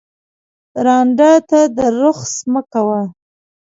ړانده ته رخس مه کوه